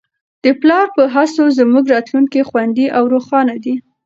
د پلار په هڅو زموږ راتلونکی خوندي او روښانه دی.